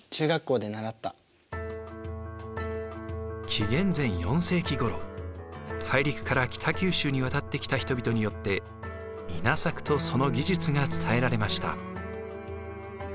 紀元前４世紀ごろ大陸から北九州に渡ってきた人々によって稲作とその技術が伝えられました。